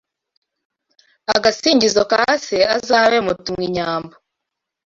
Agasingizo ka Se Azabe Mutumwinyambo